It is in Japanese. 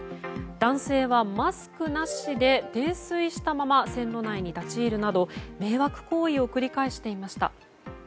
男性はマスクなしで泥酔したまま線路内に立ち入るなど迷惑行為を繰り返していました。